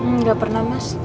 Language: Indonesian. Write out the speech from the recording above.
nggak pernah mas